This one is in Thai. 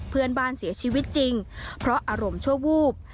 เพื่อนบ้านเสียชีวิตจริงเพราะอารมณ์ชั่ววูบ